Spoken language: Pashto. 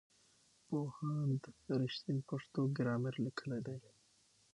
پوهاند رښتین پښتو ګرامر لیکلی دی.